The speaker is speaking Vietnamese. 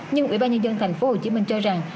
nhưng ủy ban nhân dân tp hcm cho rằng